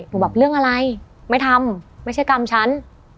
บอกเรื่องอะไรไม่ทำไม่ใช่กรรมฉัน